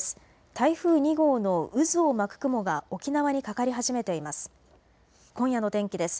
台風２号の渦を巻く雲が沖縄にかかり始めています。